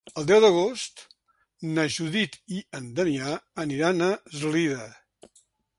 El deu d'agost na Judit i en Damià aniran a Eslida.